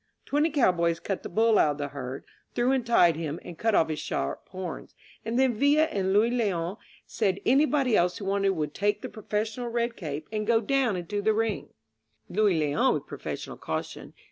Twenty cowboys cut the bull out of the herd, threw and tied him and cut off his sharp horns, and then Villa and Luis Leoli and anybody else who wanted to would take the professional red capes and go down into the ring; Luis Leon with professional caution.